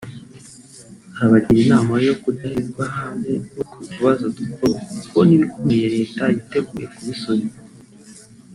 arabagira inama yo kudahezwa hanze n’utwo tubazo duto kuko n’ibikomeye leta yiteguye kubisubiza